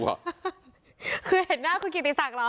คือเห็นหน้าคุณกิติศักดิ์เหรอ